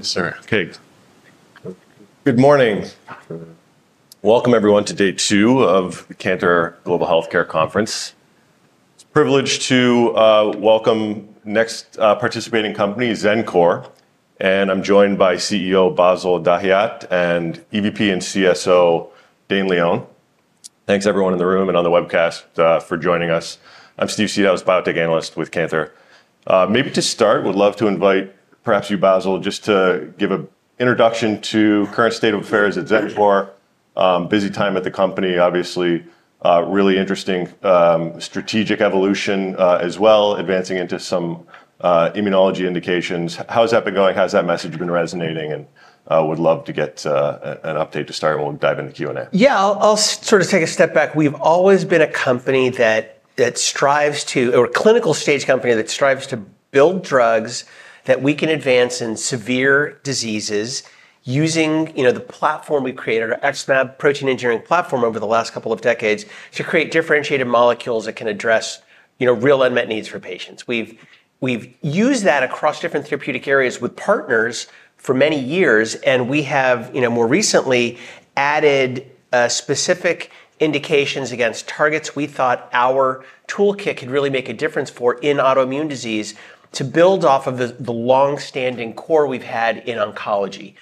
... Yes, sir. Okay, good morning. Welcome everyone to day two of the Cantor Global Healthcare Conference. It's a privilege to welcome next participating company, Xencor, and I'm joined by CEO Bassil Dahiyat and EVP and CSO, Dane Leone. Thanks everyone in the room and on the webcast for joining us. I'm Steve Seiden, biotech analyst with Cantor. Maybe to start, would love to invite perhaps you, Basil, just to give an introduction to current state of affairs at Xencor. Busy time at the company, obviously, really interesting strategic evolution as well, advancing into some immunology indications. How has that been going? How's that message been resonating? And would love to get an update to start, and we'll dive into the Q&A. Yeah, I'll sort of take a step back. We've always been a company that strives to or a clinical stage company that strives to build drugs that we can advance in severe diseases using, you know, the platform we've created, our XmAb protein engineering platform over the last couple of decades, to create differentiated molecules that can address, you know, real unmet needs for patients. We've used that across different therapeutic areas with partners for many years, and we have, you know, more recently added specific indications against targets we thought our toolkit could really make a difference for in autoimmune disease, to build off of the long-standing core we've had in oncology.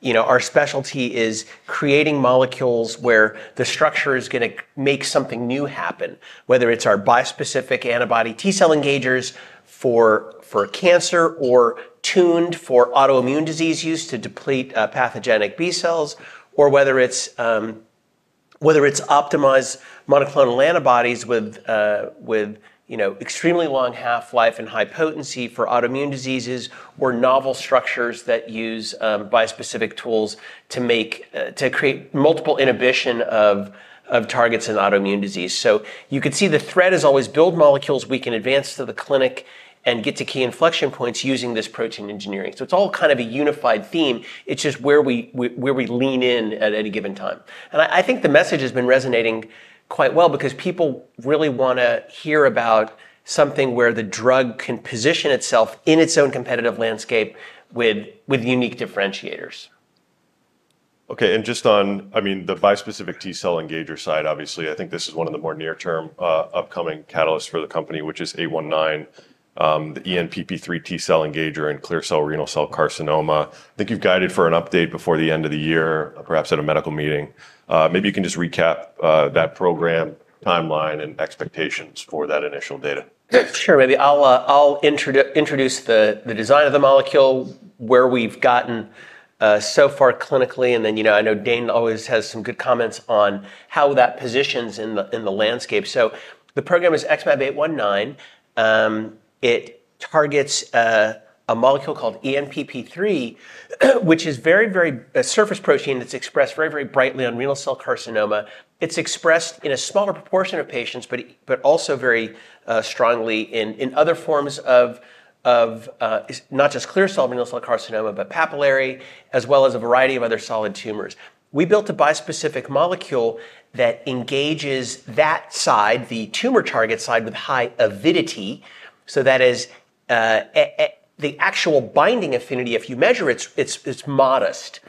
You know, our specialty is creating molecules where the structure is gonna make something new happen, whether it's our bispecific antibody T cell engagers for cancer or tuned for autoimmune disease use to deplete pathogenic B cells, or whether it's optimized monoclonal antibodies with, you know, extremely long half-life and high potency for autoimmune diseases, or novel structures that use bispecific tools to create multiple inhibition of targets in autoimmune disease. So you could see the thread is always build molecules we can advance to the clinic and get to key inflection points using this protein engineering. So it's all kind of a unified theme. It's just where we lean in at any given time. I think the message has been resonating quite well because people really wanna hear about something where the drug can position itself in its own competitive landscape with unique differentiators. Okay, and just on, I mean, the bispecific T cell engager side, obviously, I think this is one of the more near-term upcoming catalysts for the company, which is 819, the ENPP3 T cell engager in clear cell renal cell carcinoma. I think you've guided for an update before the end of the year, perhaps at a medical meeting. Maybe you can just recap that program, timeline, and expectations for that initial data. Yeah, sure. Maybe I'll introduce the design of the molecule, where we've gotten so far clinically, and then, you know, I know Dane always has some good comments on how that positions in the landscape. So the program is XmAb819. It targets a molecule called ENPP3, which is very, very a surface protein that's expressed very, very brightly on renal cell carcinoma. It's expressed in a smaller proportion of patients, but also very strongly in other forms of not just clear cell renal cell carcinoma, but papillary, as well as a variety of other solid tumors. We built a bispecific molecule that engages that side, the tumor target side, with high avidity. So that is the actual binding affinity, if you measure it, it's modest,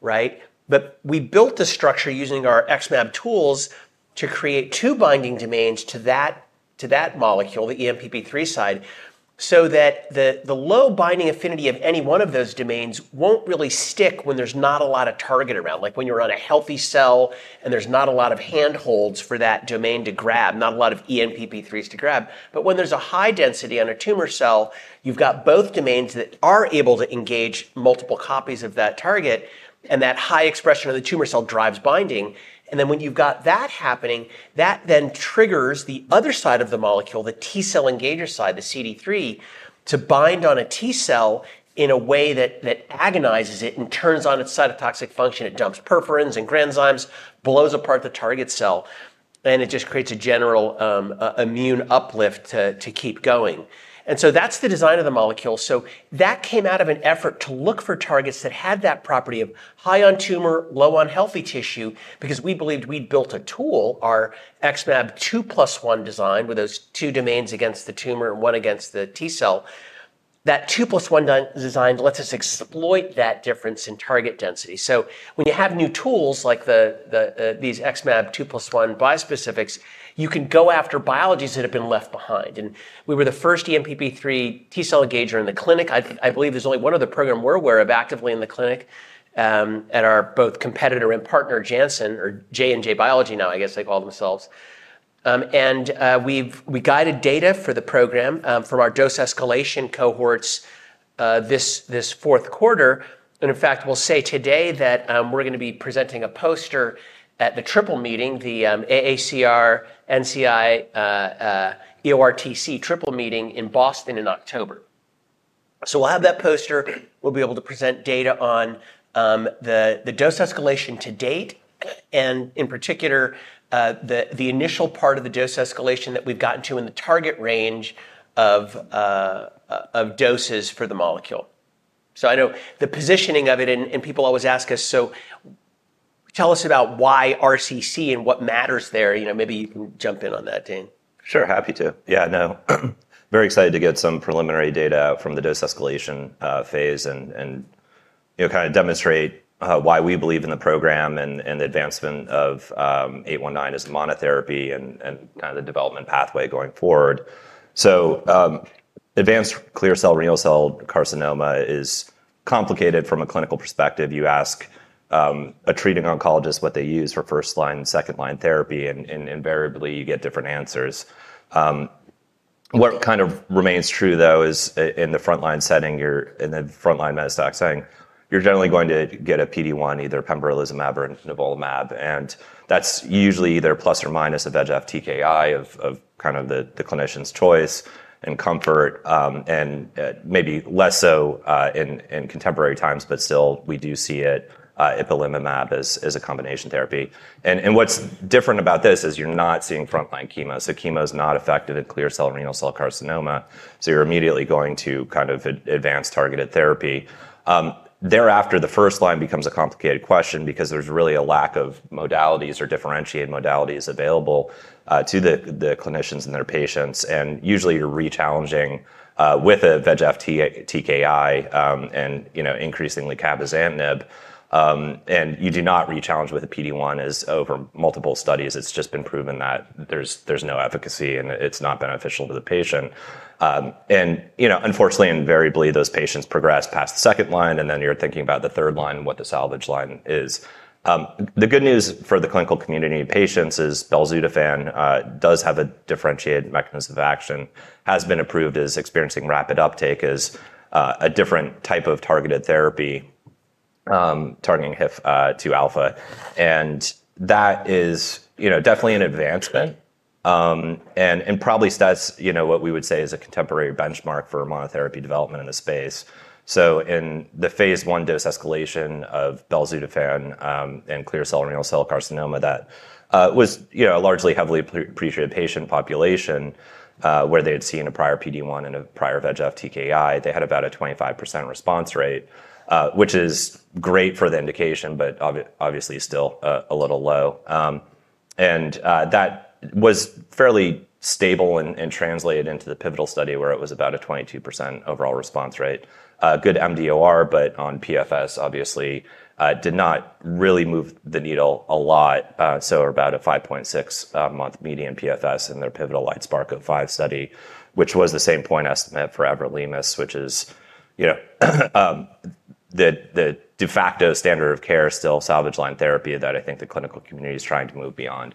right? But we built the structure using our XmAb tools to create two binding domains to that molecule, the ENPP3 side, so that the low binding affinity of any one of those domains won't really stick when there's not a lot of target around, like when you're on a healthy cell and there's not a lot of handholds for that domain to grab, not a lot of ENPP3s to grab. But when there's a high density on a tumor cell, you've got both domains that are able to engage multiple copies of that target, and that high expression of the tumor cell drives binding. And then when you've got that happening, that then triggers the other side of the molecule, the T cell engager side, the CD3, to bind on a T cell in a way that agonizes it and turns on its cytotoxic function. It dumps perforins and granzymes, blows apart the target cell, and it just creates a general immune uplift to keep going. And so that's the design of the molecule. So that came out of an effort to look for targets that had that property of high on tumor, low on healthy tissue, because we believed we'd built a tool, our XmAb two plus one design, with those two domains against the tumor and one against the T cell. That two plus one design lets us exploit that difference in target density. So when you have new tools like these XmAb two plus one bispecifics, you can go after biologies that have been left behind. And we were the first ENPP3 T cell engager in the clinic. I believe there's only one other program we're aware of actively in the clinic, and are both competitor and partner, Janssen, or J&J Biotech now, I guess they call themselves. We guided data for the program from our dose escalation cohorts this fourth quarter. In fact, we'll say today that we're gonna be presenting a poster at the triple meeting, the AACR-NCI EORTC triple meeting in Boston in October, so we'll have that poster. We'll be able to present data on the dose escalation to date, and in particular, the initial part of the dose escalation that we've gotten to in the target range of doses for the molecule, so I know the positioning of it, and people always ask us, "So wh-... Tell us about why RCC and what matters there. You know, maybe you can jump in on that, Dane. Sure, happy to. Yeah, no, very excited to get some preliminary data from the dose escalation phase and you know kind of demonstrate why we believe in the program and the advancement of eight-one-nine as monotherapy and kind of the development pathway going forward. So advanced clear cell renal cell carcinoma is complicated from a clinical perspective. You ask a treating oncologist what they use for first-line and second-line therapy, and invariably you get different answers. What kind of remains true, though, is in the frontline setting, you're in the frontline metastatic setting, you're generally going to get a PD-1, either pembrolizumab or nivolumab, and that's usually either plus or minus a VEGF-TKI of the clinician's choice and comfort, and maybe less so in contemporary times, but still, we do see it, ipilimumab as a combination therapy. What's different about this is you're not seeing frontline chemo. So chemo is not effective in clear cell renal cell carcinoma, so you're immediately going to kind of advance targeted therapy. Thereafter, the first line becomes a complicated question because there's really a lack of modalities or differentiated modalities available to the clinicians and their patients, and usually, you're rechallenging with a VEGF-TKI, and, you know, increasingly cabozantinib, and you do not rechallenge with a PD-1 as over multiple studies, it's just been proven that there's no efficacy, and it's not beneficial to the patient, and, you know, unfortunately, invariably, those patients progress past the second line, and then you're thinking about the third line, what the salvage line is. The good news for the clinical community patients is belzutifan does have a differentiated mechanism of action, has been approved, is experiencing rapid uptake as a different type of targeted therapy, targeting HIF-2 alpha. And that is, you know, definitely an advancement, and probably sets, you know, what we would say is a contemporary benchmark for monotherapy development in the space. So in the phase 1 dose escalation of belzutifan, and clear cell renal cell carcinoma, that was, you know, a largely heavily pretreated patient population, where they had seen a prior PD-1 and a prior VEGF-TKI. They had about a 25% response rate, which is great for the indication, but obviously still a little low. And that was fairly stable and translated into the pivotal study, where it was about a 22% overall response rate. Good mDOR, but on PFS, obviously, did not really move the needle a lot, so about a 5.6-month median PFS in their pivotal LITESPARK-005 study, which was the same point estimate for everolimus, which is, you know, the de facto standard of care is still salvage line therapy that I think the clinical community is trying to move beyond,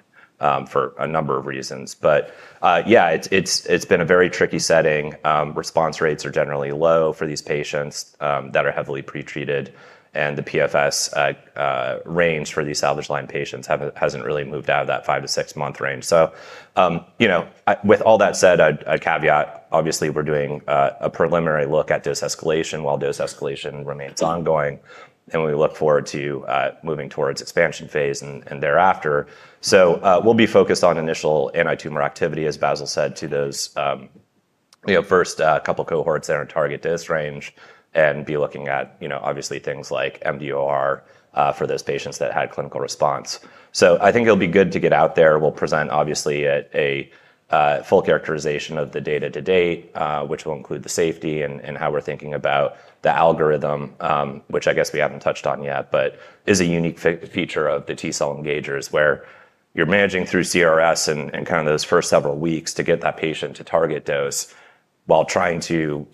for a number of reasons. But, yeah, it's been a very tricky setting. Response rates are generally low for these patients that are heavily pretreated, and the PFS range for these salvage line patients hasn't really moved out of that five- to six-month range. So, you know, with all that said, I'd caveat, obviously, we're doing a preliminary look at dose escalation while dose escalation remains ongoing, and we look forward to moving towards expansion phase and thereafter. So, we'll be focused on initial anti-tumor activity, as Basil said, to those, you know, first couple cohorts that are in target dose range and be looking at, you know, obviously, things like mDOR for those patients that had clinical response. So I think it'll be good to get out there. We'll present, obviously, a full characterization of the data to date, which will include the safety and how we're thinking about the algorithm, which I guess we haven't touched on yet, but is a unique feature of the T-cell engagers, where you're managing through CRS and kind of those first several weeks to get that patient to target dose while trying to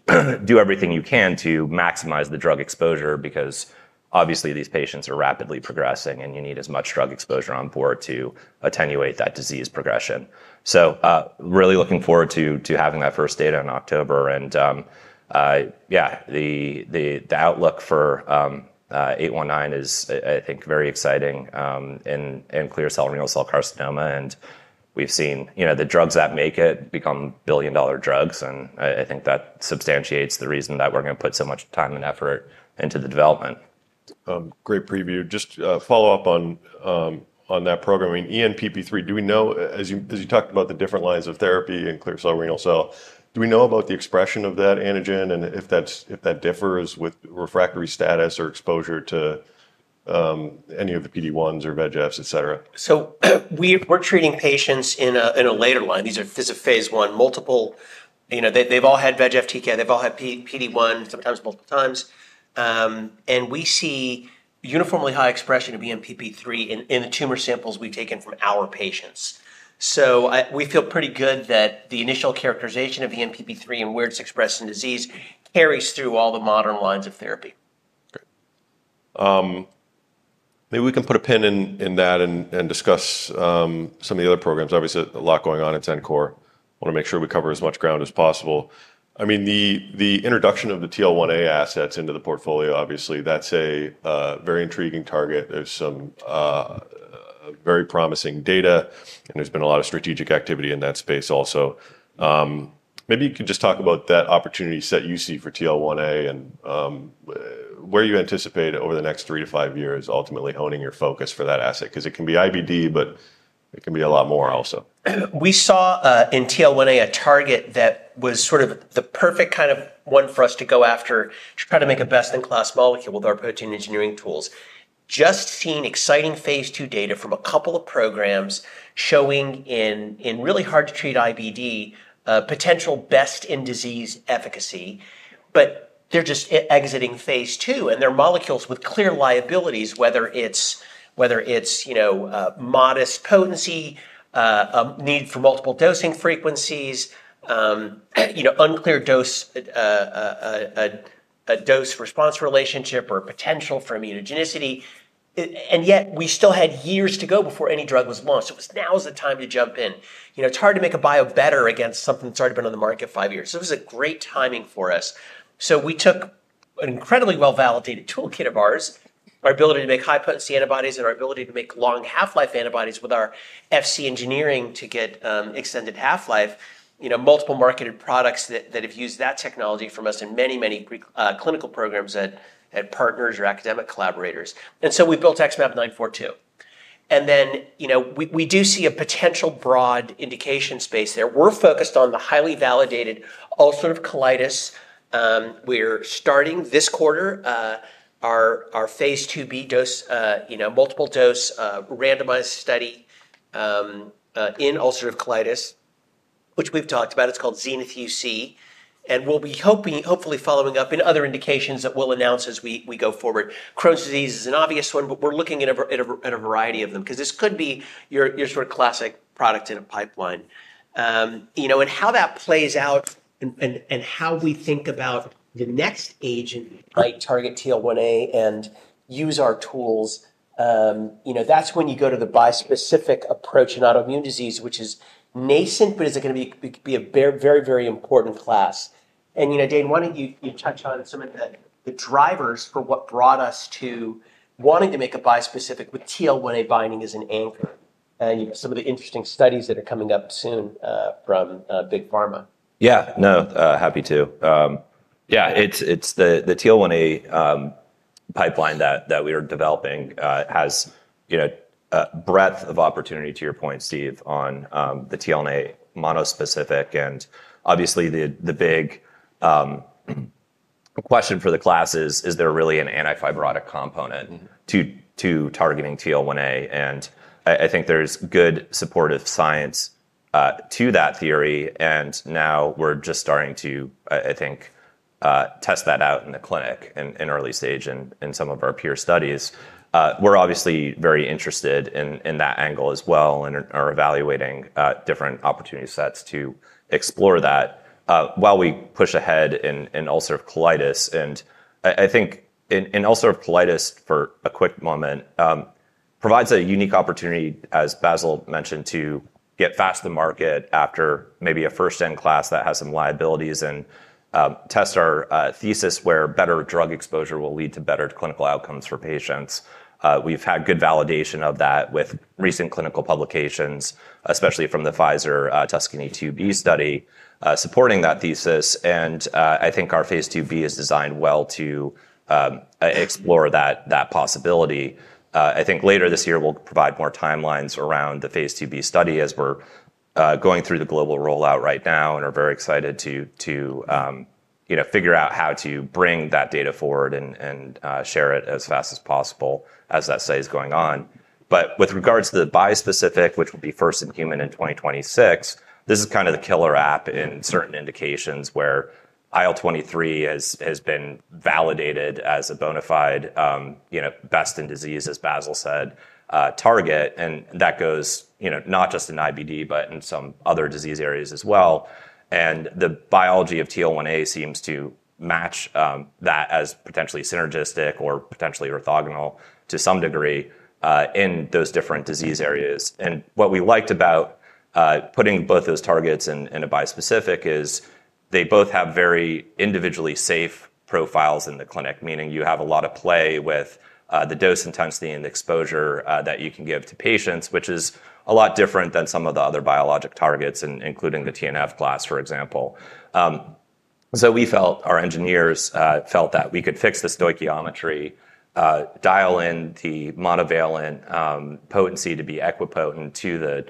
do everything you can to maximize the drug exposure, because obviously, these patients are rapidly progressing, and you need as much drug exposure on board to attenuate that disease progression. Really looking forward to having that first data in October, and the outlook for eight-one-nine is, I think, very exciting in clear cell renal cell carcinoma, and we've seen, you know, the drugs that make it become billion-dollar drugs, and I think that substantiates the reason that we're gonna put so much time and effort into the development. Great preview. Just follow up on that programming, ENPP3, do we know as you talked about the different lines of therapy in clear cell renal cell, do we know about the expression of that antigen, and if that differs with refractory status or exposure to any of the PD-1s or VEGFs, et cetera? We're treating patients in a later line. This is a phase 1, multiple, you know, they've all had VEGF-TKI, they've all had PD-1, sometimes multiple times. And we see uniformly high expression of ENPP3 in the tumor samples we've taken from our patients. We feel pretty good that the initial characterization of ENPP3 and where it's expressed in disease carries through all the modern lines of therapy. Great. Maybe we can put a pin in that and discuss some of the other programs. Obviously, a lot going on at Xencor. I wanna make sure we cover as much ground as possible. I mean, the introduction of the TL1A assets into the portfolio, obviously, that's a very intriguing target. There's some very promising data, and there's been a lot of strategic activity in that space also. Maybe you can just talk about that opportunity set you see for TL1A and where you anticipate over the next three to five years, ultimately honing your focus for that asset, 'cause it can be IBD, but-... it can be a lot more also. We saw in TL1A a target that was sort of the perfect kind of one for us to go after to try to make a best-in-class molecule with our protein engineering tools. Just seeing exciting phase two data from a couple of programs showing in really hard-to-treat IBD potential best-in-disease efficacy, but they're just exiting phase two, and they're molecules with clear liabilities, whether it's you know modest potency, need for multiple dosing frequencies, you know unclear dose, a dose-response relationship or potential for immunogenicity, and yet we still had years to go before any drug was launched, so now is the time to jump in. You know, it's hard to make a biobetter against something that's already been on the market five years, so this was great timing for us. So we took an incredibly well-validated toolkit of ours, our ability to make high-potency antibodies and our ability to make long half-life antibodies with our Fc engineering to get extended half-life, you know, multiple marketed products that, that have used that technology from us in many, many pre-clinical programs at, at partners or academic collaborators, and so we built XmAb942. And then, you know, we do see a potential broad indication space there. We're focused on the highly validated ulcerative colitis. We're starting this quarter our phase 2b dose, you know, multiple dose randomized study in ulcerative colitis, which we've talked about. It's called Zenith UC, and we'll be hopefully following up in other indications that we'll announce as we go forward. Crohn's disease is an obvious one, but we're looking at a variety of them 'cause this could be your sort of classic product in a pipeline. You know, and how that plays out and how we think about the next agent, right, target TL1A and use our tools. You know, that's when you go to the bispecific approach in autoimmune disease, which is nascent, but is it gonna be a very important class. You know, Dane, why don't you touch on some of the drivers for what brought us to wanting to make a bispecific with TL1A binding as an anchor, and some of the interesting studies that are coming up soon from big pharma? Yeah. No, happy to. Yeah, it's the TL1A pipeline that we are developing has, you know, a breadth of opportunity, to your point, Steve, on the TL1A monospecific and obviously, the big question for the class is: Is there really an antifibrotic component- Mm-hmm... to targeting TL1A? And I think there's good supportive science to that theory, and now we're just starting to I think test that out in the clinic in early stage in some of our peer studies. We're obviously very interested in that angle as well and are evaluating different opportunity sets to explore that while we push ahead in ulcerative colitis. And I think in ulcerative colitis for a quick moment provides a unique opportunity, as Basil mentioned, to get fast to market after maybe a first-in-class that has some liabilities and test our thesis, where better drug exposure will lead to better clinical outcomes for patients. We've had good validation of that with recent clinical publications, especially from the Pfizer TUSCANY IIB study supporting that thesis. I think our phase IIB is designed well to Mm-hmm... explore that possibility. I think later this year we'll provide more timelines around the phase IIB study as we're going through the global rollout right now and are very excited to, you know, figure out how to bring that data forward and share it as fast as possible as that study is going on. But with regards to the bispecific, which will be first in human in twenty twenty-six, this is kind of the killer app in certain indications where IL-23 has been validated as a bona fide, you know, best-in-disease, as Basil said, target. And that goes, you know, not just in IBD, but in some other disease areas as well. And the biology of TL1A seems to match that as potentially synergistic or potentially orthogonal to some degree in those different disease areas. And what we liked about putting both those targets in a bispecific is they both have very individually safe profiles in the clinic, meaning you have a lot of play with the dose intensity and the exposure that you can give to patients, which is a lot different than some of the other biologic targets, including the TNF class, for example. So we felt, our engineers felt that we could fix the stoichiometry, dial in the monovalent potency to be equipotent to the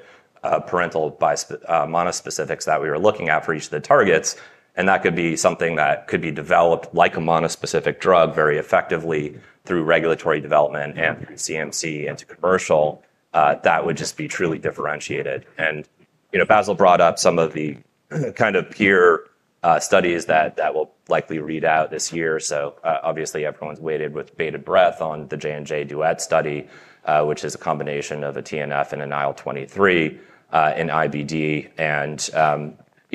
parental monospecifics that we were looking at for each of the targets. And that could be something that could be developed like a monospecific drug, very effectively through regulatory development and through CMC into commercial. That would just be truly differentiated. You know, Basil brought up some of the kind of peer studies that will likely read out this year. Obviously, everyone's waited with bated breath on the J&J DUET study, which is a combination of a TNF and an IL-23 in IBD. You know,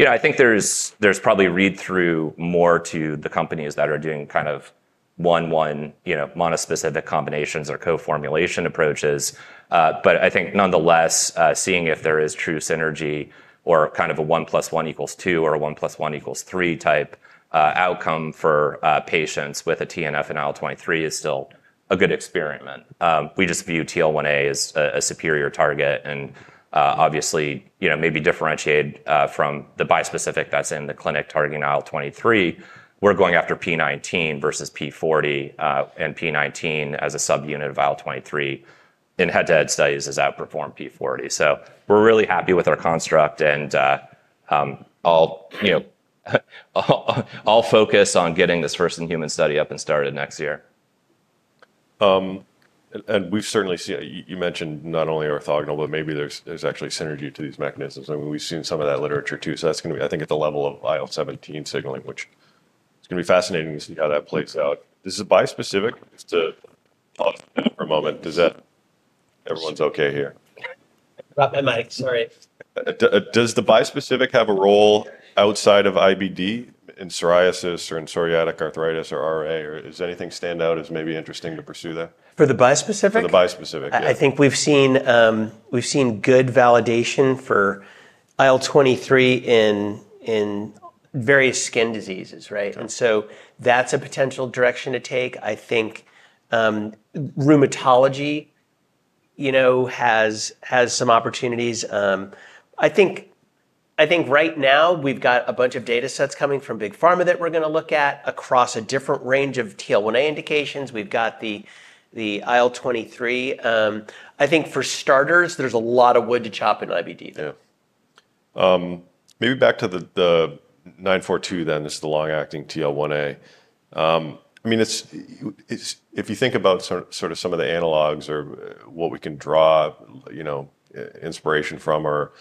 I think there's probably a read-through more to the companies that are doing kind of one-one, you know, monospecific combinations or co-formulation approaches, but I think nonetheless, seeing if there is true synergy or kind of a one plus one equals two or a one plus one equals three type outcome for patients with a TNF and IL-23 is still a good experiment. We just view TL1A as a superior target and, obviously, you know, maybe differentiate from the bispecific that's in the clinic targeting IL-23. We're going after P19 versus P40, and P19 as a subunit of IL-23 in head-to-head studies has outperformed P40, so we're really happy with our construct and, you know, all focus on getting this first-in-human study up and started next year. And we've certainly seen, you mentioned not only orthogonal, but maybe there's actually synergy to these mechanisms, and we've seen some of that literature, too. So that's gonna be, I think, at the level of IL-17 signaling, which it's gonna be fascinating to see how that plays out. This is bispecific too for a moment. Does that... Everyone's okay here? Drop my mic, sorry. Does the bispecific have a role outside of IBD, in psoriasis or in psoriatic arthritis or RA, or does anything stand out as maybe interesting to pursue that? For the bispecific? For the bispecific, yeah. I think we've seen good validation for IL-23 in various skin diseases, right? Yeah. And so that's a potential direction to take. I think, dermatology, you know, has some opportunities. I think right now we've got a bunch of data sets coming from Big Pharma that we're gonna look at across a different range of TL1A indications. We've got the IL-23. I think for starters, there's a lot of wood to chop in IBD. Yeah. Maybe back to the 942, then. This is the long-acting TL1A. I mean, it's if you think about sort of some of the analogs or what we can draw, you know, inspiration from, or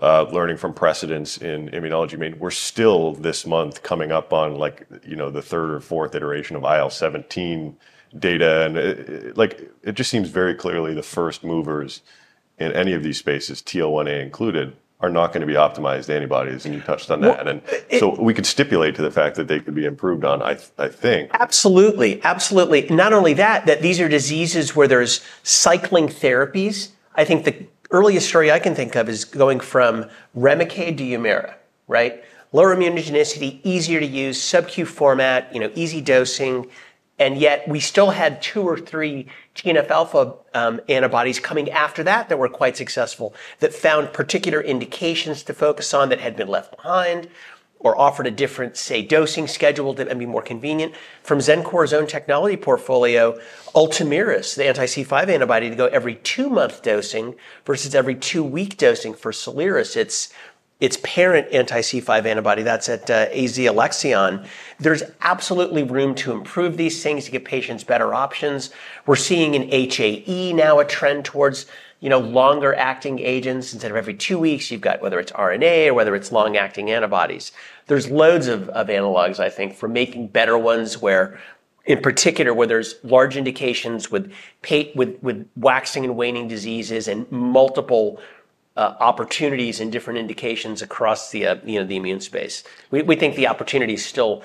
learning from precedents in immunology, I mean, we're still this month coming up on, like, you know, the third or fourth iteration of IL-17 data, and like, it just seems very clearly the first movers in any of these spaces, TL1A included, are not gonna be optimized antibodies, and you touched on that. Well, it- And so we could stipulate to the fact that they could be improved on, I think. Absolutely. Absolutely. Not only that, these are diseases where there's cycling therapies. I think the earliest story I can think of is going from Remicade to Humira, right? Lower immunogenicity, easier to use, subQ format, you know, easy dosing, and yet we still had two or three TNF alpha antibodies coming after that that were quite successful, that found particular indications to focus on that had been left behind or offered a different, say, dosing schedule that would be more convenient. From Xencor's own technology portfolio, Ultomiris, the anti-C5 antibody, to go every two-month dosing versus every two-week dosing for Soliris. It's parent anti-C5 antibody that's at AZ Alexion. There's absolutely room to improve these things to give patients better options. We're seeing in HAE now a trend towards, you know, longer-acting agents. Instead of every two weeks, you've got whether it's RNA or whether it's long-acting antibodies. There's loads of analogs, I think, for making better ones where, in particular, where there's large indications with waxing and waning diseases and multiple opportunities and different indications across the, you know, the immune space. We think the opportunity is still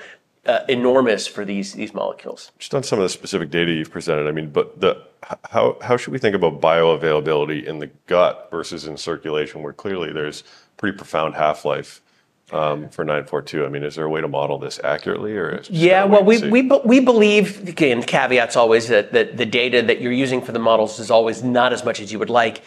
enormous for these molecules. Just on some of the specific data you've presented, I mean, but how should we think about bioavailability in the gut versus in circulation, where clearly there's pretty profound half-life for nine four two? I mean, is there a way to model this accurately, or is just- Yeah, well-... we'll see. We believe, again, the caveat's always that the data that you're using for the models is always not as much as you would like.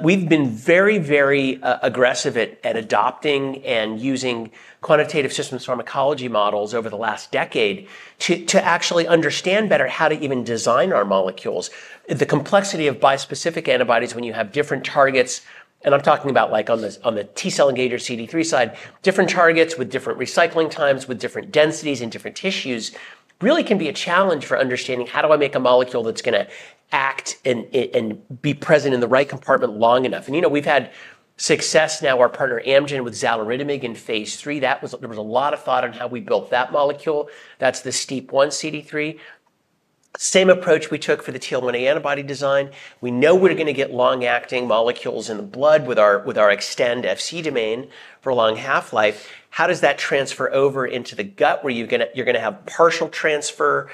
We've been very aggressive at adopting and using quantitative systems pharmacology models over the last decade to actually understand better how to even design our molecules. The complexity of bispecific antibodies when you have different targets, and I'm talking about like on the T cell engager or CD3 side, different targets with different recycling times, with different densities and different tissues, really can be a challenge for understanding: how do I make a molecule that's gonna act and be present in the right compartment long enough? You know, we've had success now, our partner Amgen, with xaluritamig in phase 3. That was... There was a lot of thought on how we built that molecule. That's the STEAP1, CD3. Same approach we took for the TL1A antibody design. We know we're gonna get long-acting molecules in the blood with our Xtend Fc domain for a long half-life. How does that transfer over into the gut where you're gonna have partial transfer?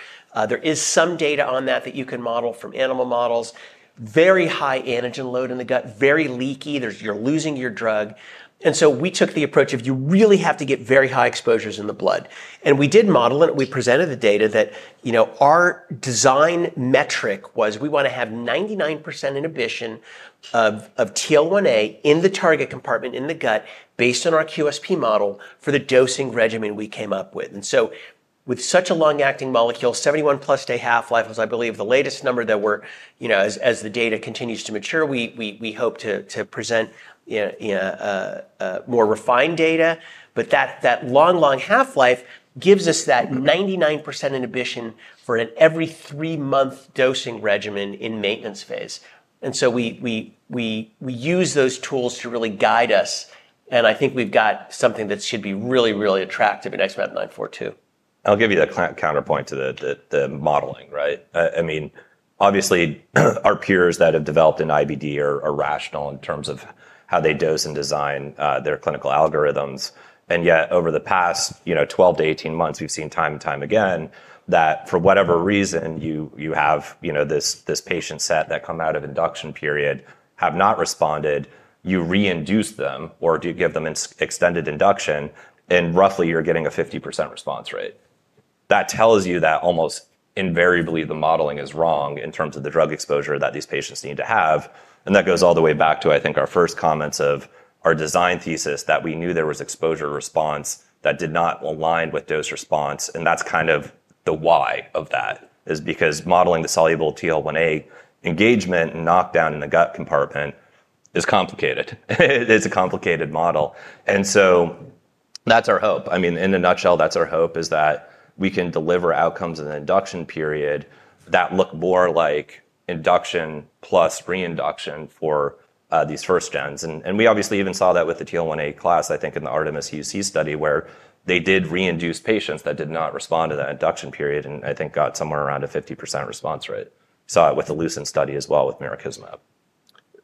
There is some data on that that you can model from animal models. Very high antigen load in the gut, very leaky. There's you're losing your drug. So we took the approach of you really have to get very high exposures in the blood. And we did model it. We presented the data that, you know, our design metric was we wanna have 99% inhibition of TL1A in the target compartment, in the gut, based on our QSP model for the dosing regimen we came up with. And so with such a long-acting molecule, 71+ day half-life was, I believe, the latest number that we're you know, as the data continues to mature, we hope to present, you know, more refined data. But that long half-life gives us that- Mm-hmm... 99% inhibition for an every three-month dosing regimen in maintenance phase, and so we use those tools to really guide us, and I think we've got something that should be really, really attractive in XmA942. I'll give you the counterpoint to the modeling, right? I mean, obviously, our peers that have developed an IBD are rational in terms of how they dose and design their clinical algorithms. And yet, over the past, you know, 12-18 months, we've seen time and time again that for whatever reason, you have, you know, this patient set that come out of induction period, have not responded, you reinduce them or do you give them extended induction, and roughly you're getting a 50% response rate. That tells you that almost invariably the modeling is wrong in terms of the drug exposure that these patients need to have, and that goes all the way back to, I think, our first comments of our design thesis, that we knew there was exposure response that did not align with dose response, and that's kind of the why of that is because modeling the soluble TL1A engagement and knockdown in the gut compartment is complicated. It is a complicated model, and so that's our hope. I mean, in a nutshell, that's our hope, is that we can deliver outcomes in an induction period that look more like induction plus reinduction for these first gens. We obviously even saw that with the TL1A class, I think, in the Artemis UC study, where they did reinduce patients that did not respond to that induction period, and I think got somewhere around a 50% response rate. Saw it with the LUCENT study as well with mirikizumab.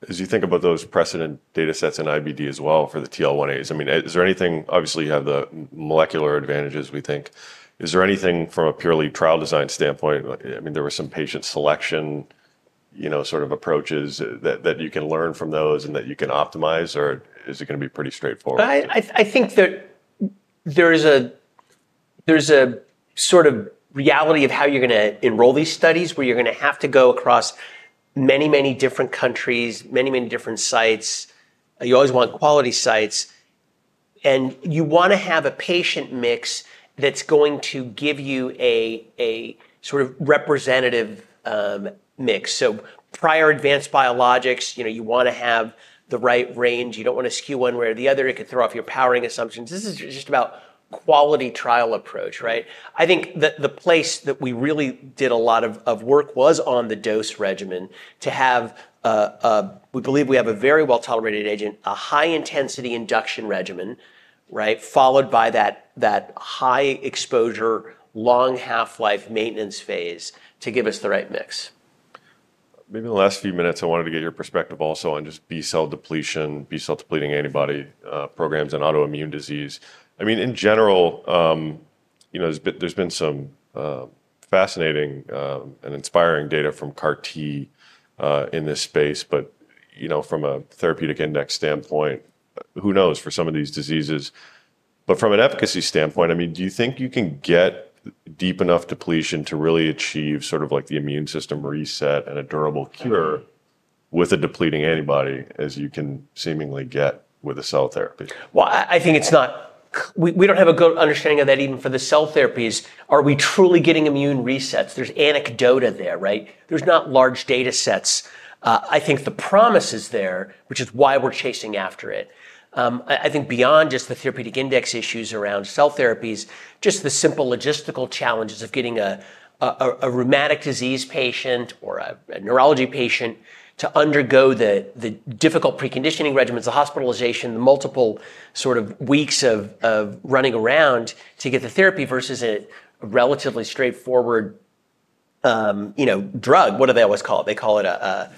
As you think about those precedent datasets in IBD as well for the TL1As, I mean, is there anything, obviously, you have the molecular advantages, we think. Is there anything from a purely trial design standpoint, I mean, there were some patient selection, you know, sort of approaches that you can learn from those and that you can optimize, or is it gonna be pretty straightforward? I think that there is a, there's a sort of reality of how you're gonna enroll these studies, where you're gonna have to go across many, many different countries, many, many different sites. You always want quality sites, and you wanna have a patient mix that's going to give you a, a sort of representative mix. So prior advanced biologics, you know, you wanna have the right range. You don't wanna skew one way or the other. It could throw off your powering assumptions. This is just about quality trial approach, right? I think the place that we really did a lot of work was on the dose regimen, to have we believe we have a very well-tolerated agent, a high-intensity induction regimen, right? Followed by that high exposure, long half-life maintenance phase to give us the right mix. Maybe in the last few minutes, I wanted to get your perspective also on just B-cell depletion, B-cell-depleting antibody programs and autoimmune disease. I mean, in general, you know, there's been some fascinating and inspiring data from CAR T in this space, but you know, from a therapeutic index standpoint, who knows, for some of these diseases? But from an efficacy standpoint, I mean, do you think you can get deep enough depletion to really achieve sort of like the immune system reset and a durable cure with a depleting antibody, as you can seemingly get with a cell therapy? I think we don't have a good understanding of that even for the cell therapies. Are we truly getting immune resets? There's anecdata there, right? There's not large datasets. I think the promise is there, which is why we're chasing after it. I think beyond just the therapeutic index issues around cell therapies, just the simple logistical challenges of getting a rheumatic disease patient or a neurology patient to undergo the difficult preconditioning regimens, the hospitalization, the multiple sort of weeks of running around to get the therapy, versus a relatively straightforward, you know, drug. What do they always call it? They call it a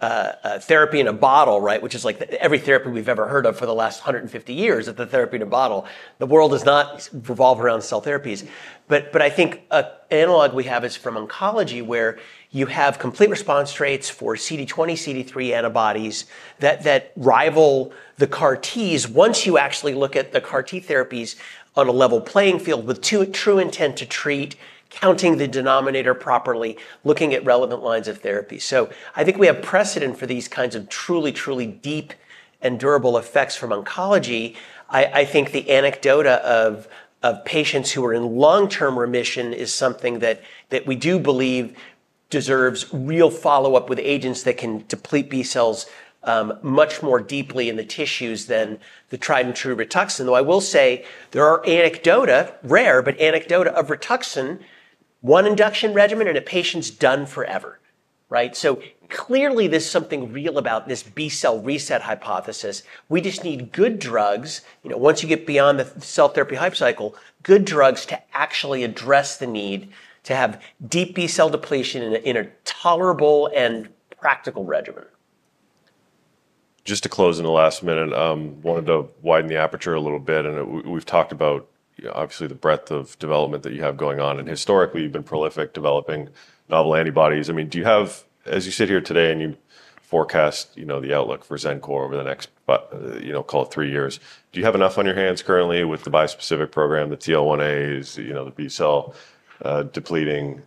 therapy in a bottle, right? Which is like every therapy we've ever heard of for the last hundred and fifty years, is a therapy in a bottle. The world does not revolve around cell therapies. But I think an analog we have is from oncology, where you have complete response rates for CD20, CD3 antibodies that rival the CAR Ts once you actually look at the CAR T therapies on a level playing field with true intent to treat, counting the denominator properly, looking at relevant lines of therapy. So I think we have precedent for these kinds of truly, truly deep and durable effects from oncology. I think the anecdata of patients who are in long-term remission is something that we do believe deserves real follow-up with agents that can deplete B cells much more deeply in the tissues than the tried-and-true Rituxan, though I will say there are anecdata, rare, but anecdata of Rituxan, one induction regimen, and a patient's done forever, right? So clearly, there's something real about this B-cell reset hypothesis. We just need good drugs. You know, once you get beyond the cell therapy hype cycle, good drugs to actually address the need to have deep B-cell depletion in a tolerable and practical regimen. Just to close in the last minute, wanted to widen the aperture a little bit, and we've talked about, obviously, the breadth of development that you have going on, and historically, you've been prolific developing novel antibodies. I mean, do you have... As you sit here today and you forecast, you know, the outlook for Xencor over the next few, you know, call it three years, do you have enough on your hands currently with the bispecific program, the TL1As, you know, the B-cell, depleting,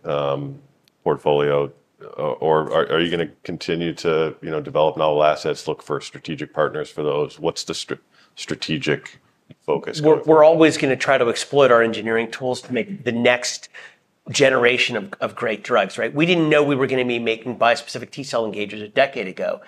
portfolio? Or are you gonna continue to, you know, develop novel assets, look for strategic partners for those? What's the strategic focus going forward? We're always gonna try to exploit our engineering tools to make the next generation of great drugs, right? We didn't know we were gonna be making bispecific T-cell engagers a decade ago.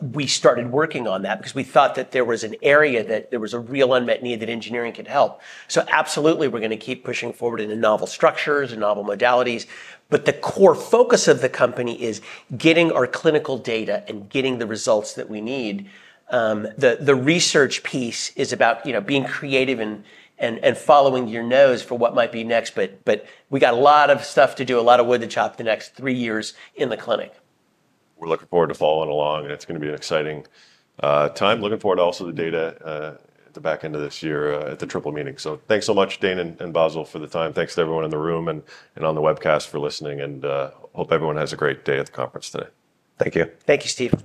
We started working on that because we thought that there was an area, that there was a real unmet need, that engineering could help. So absolutely, we're gonna keep pushing forward into novel structures and novel modalities, but the core focus of the company is getting our clinical data and getting the results that we need. The research piece is about, you know, being creative and following your nose for what might be next, but we got a lot of stuff to do, a lot of wood to chop the next three years in the clinic. We're looking forward to following along, and it's gonna be an exciting time. Looking forward to also the data at the back end of this year at the triple meeting. So thanks so much, Dane and Basil, for the time. Thanks to everyone in the room and on the webcast for listening, and hope everyone has a great day at the conference today. Thank you. Thank you, Steve.